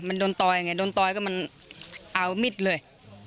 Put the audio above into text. มันโดนต่อยไงโดนต่อยก็มันเอามิดเลย